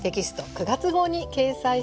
９月号に掲載しています。